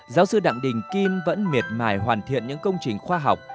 giáo sư đặng đình kim vẫn miệt mài hoàn thiện những công trình khoa học